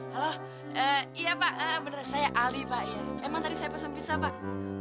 halo iya pak bener saya ali pak ya emang tadi saya pesan bisa pak